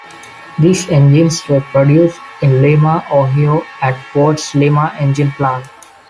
These engines were produced in Lima, Ohio at Ford's Lima Engine plant.